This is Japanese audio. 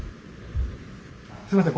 すいません。